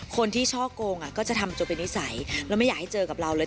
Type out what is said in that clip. ช่อโกงก็จะทำจนเป็นนิสัยแล้วไม่อยากให้เจอกับเราเลย